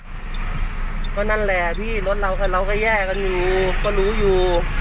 ก็นั่นแหละพี่รถเราเราก็แย่กันอยู่ก็รู้อยู่